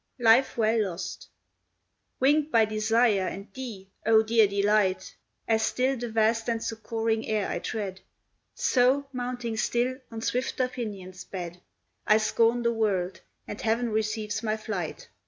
LIFE WELL LOST Winged by desire and thee, O dear delight! As still the vast and succoring air I tread, So, mounting still, on swifter pinions sped, I scorn the world, and heaven receives my flight.